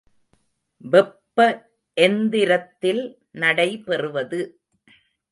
வெப்ப எந்திரத்தில் நடைபெறுவது.